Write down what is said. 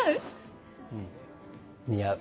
うん似合う。